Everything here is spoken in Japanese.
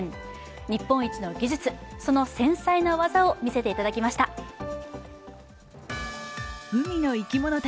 日本一の技術、その繊細な技を見せていただきました。